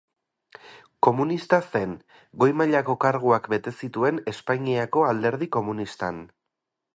Komunista zen; goi mailako karguak bete zituen Espainiako Alderdi Komunistan.